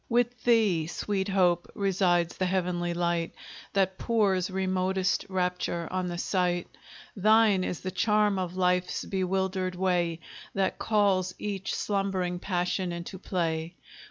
With thee, sweet Hope, resides the heavenly light That pours remotest rapture on the sight; Thine is the charm of life's bewildered way, That calls each slumbering passion into play.